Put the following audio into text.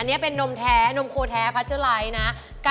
อันนี้เป็นนมแท้นมโคแท้พัชเจอร์ไลท์นะ